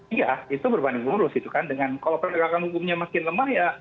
iya itu berbanding lurus gitu kan dengan kalau penegakan hukumnya makin lemah ya